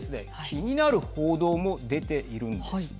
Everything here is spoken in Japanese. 気になる報道も出ているんです。